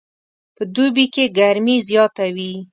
په دوبي کې ګرمي زیاته وي